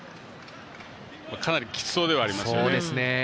かなりきつそうではありますね。